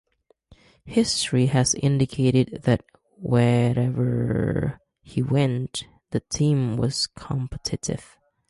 History has indicated that wherever he went, the team was competitive.